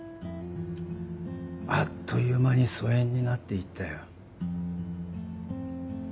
あっという間に疎遠になっていったよ。